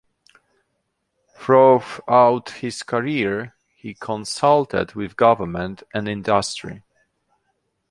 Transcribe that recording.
Throughout his career, he consulted with government and industry.